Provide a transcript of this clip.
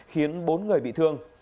khiến bốn người bị thương